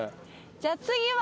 じゃあ次は。